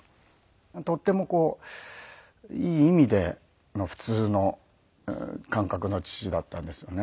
とってもこういい意味で普通の感覚の父だったんですよね。